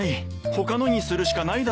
他のにするしかないだろう。